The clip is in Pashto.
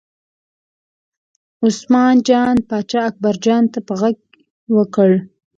عثمان جان پاچا اکبرجان ته په غږ غږ وکړ.